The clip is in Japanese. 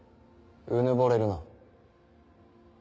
うぬぼれるな。